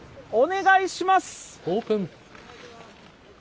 オープン。